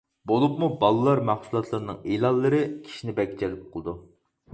بولۇپمۇ بالىلار مەھسۇلاتلىرىنىڭ ئېلانلىرى كىشىنى بەك جەلپ قىلىدۇ.